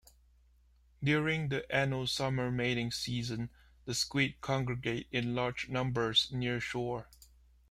During the annual summer mating season, the squid congregate in large numbers near shore.